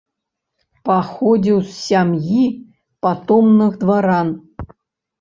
Паходзіў з сям'і патомных дваран.